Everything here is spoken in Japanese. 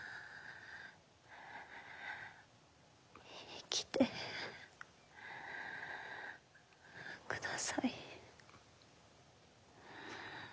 生きてください。